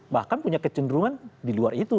bahkan punya kecenderungan di luar itu